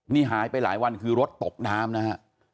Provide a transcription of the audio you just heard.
นี่หายไปหลายวันคือรถตกน้ำนะฮะ